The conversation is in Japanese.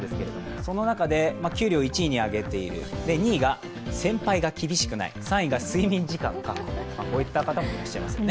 その中で給料を１位に挙げている、２位が先輩が厳しくない、３位が睡眠時間の確保こういった方もいらっしゃいますね。